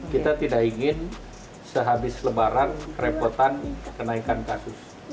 kita tidak ingin sehabis lebaran kerepotan kenaikan kasus